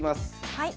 はい。